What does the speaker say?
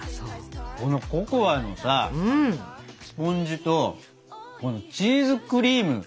このココアのさスポンジとこのチーズクリーム。